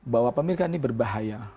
bahwa pemilikan ini berbahaya